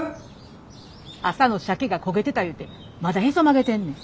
朝のシャケが焦げてたいうてまだヘソ曲げてんねん。